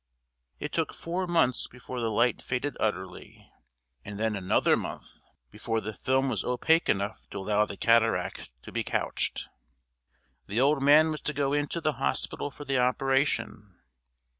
It took four months before the light faded utterly, and then another month before the film was opaque enough to allow the cataract to be couched. The old man was to go into the hospital for the operation.